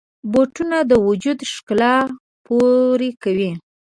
بوټونه د وجود ښکلا پوره کوي.